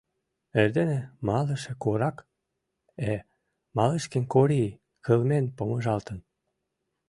Эрдене Малыше Корак, э, Малышкин Корий, кылмен помыжалтын.